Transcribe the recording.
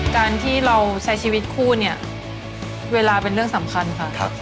การที่เราใช้ชีวิตคู่เนี่ยเวลาเป็นเรื่องสำคัญค่ะ